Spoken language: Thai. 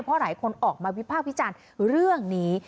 เพราะหลายคนออกมาวิภาควิจารณ์เรื่องนี้